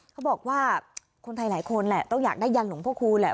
เขาบอกว่าคนไทยหลายคนแหละต้องอยากได้ยันหลวงพ่อคูณแหละ